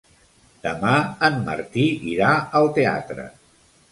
Demà en Martí irà al teatre.